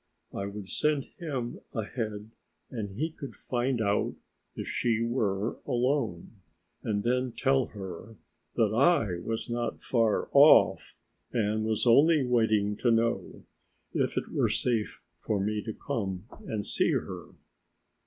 I would send him ahead and he could find out if she were alone, and then tell her that I was not far off, and was only waiting to know if it were safe for me to come and see her.